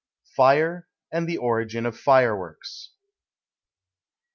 FIRE, AND THE ORIGIN OF FIREWORKS.